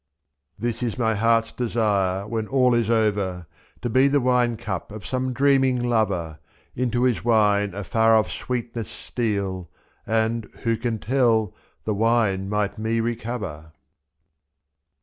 This is my heart's desire when all is over : To be the wine cup of some dreaming lover, l^/^.Into his wine a far off sweetness steal, — And — who can tell? — the wine might me recover.